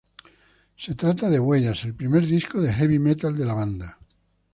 Se trata de "Huellas", el primer disco de Heavy metal de la banda.